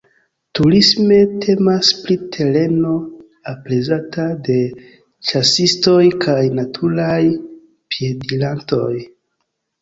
Turisme temas pri tereno aprezata de ĉasistoj kaj naturaj piedirantoj.